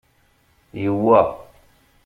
Yewwa.